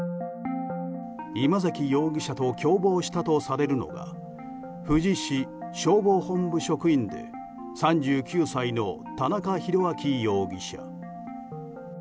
今関容疑者と共謀したとされるのが富士市消防本部職員で３９歳の田中宏明容疑者。